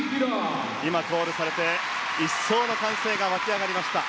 今コールされて一層の歓声が沸き上がりました。